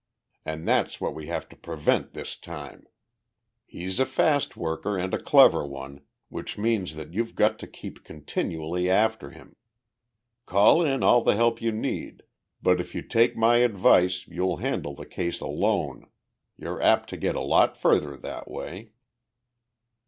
And that's what we have to prevent this time. He's a fast worker and a clever one which means that you've got to keep continually after him. Call in all the help you need, but if you take my advice you'll handle the case alone. You're apt to get a lot further that way."